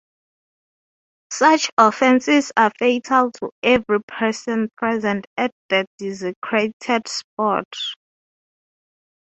Such offenses are fatal to every person present at the desecrated spot.